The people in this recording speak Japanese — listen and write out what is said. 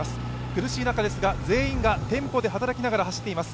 苦しい中ですが全員が店舗で働きながら走っています。